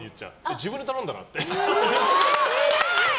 自分で頼んだら？って。